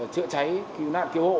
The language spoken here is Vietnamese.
chữa cháy cứu đàn cứu hộ